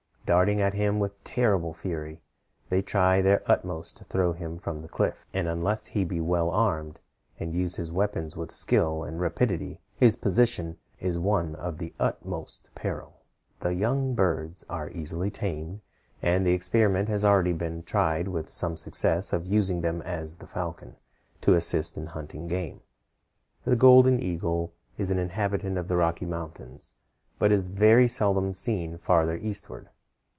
Darting at him with terrible fury, they try their utmost to throw him from the cliff; and unless he be well armed, and use his weapons with skill and rapidity, his position is one of the utmost peril. The young birds are easily tamed; and the experiment has already been tried with some success of using them as the falcon, to assist in hunting game. The golden eagle is an inhabitant of the Rocky Mountains, but is very seldom seen farther eastward.